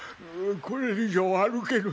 これ以上は歩けぬ。